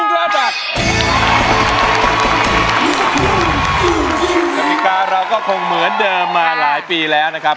กฎิกาเราก็คงเหมือนเดิมมาหลายปีแล้วนะครับ